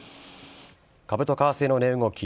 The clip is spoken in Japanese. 株と為替の値動き